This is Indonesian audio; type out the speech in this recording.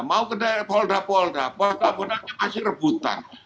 mau ke daerah polda polda polda poldanya masih rebutan